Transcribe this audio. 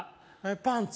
パンツ？